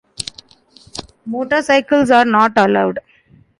Motorcycles are not allowed.